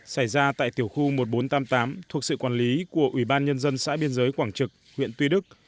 xảy ra tại tiểu khu một nghìn bốn trăm tám mươi tám thuộc sự quản lý của ủy ban nhân dân xã biên giới quảng trực huyện tuy đức